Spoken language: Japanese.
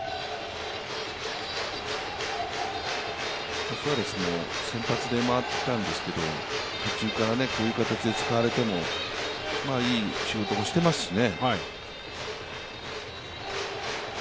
スアレスも先発で回ってきたんですけど、途中からこういう形で使われてもいい仕事もしていますしね。